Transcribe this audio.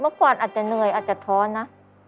เมื่อก่อนอาจจะเหนื่อยอาจจะท้อนะ